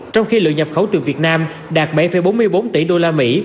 trong khi lượng nhập khẩu từ việt nam đạt bảy bốn mươi bốn tỷ đô la mỹ